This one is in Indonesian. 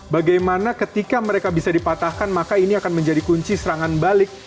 bagaimana ketika mereka bisa dipatahkan maka ini akan menjadi kunci serangan balik